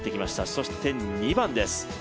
そして２番です。